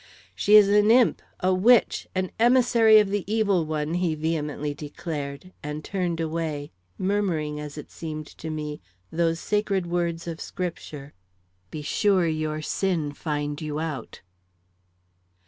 "She is an imp, a witch, an emissary of the Evil One," he vehemently declared; and turned away, murmuring, as it seemed to me, those sacred words of Scripture, "Be sure your sin find you out."